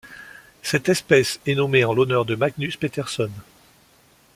Cette espèce est nommée en l'honneur de Magnus Peterson.